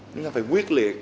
chúng ta phải quyết liệt